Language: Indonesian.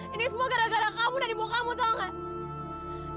ini semua gara gara kamu dan ibu kamu tangan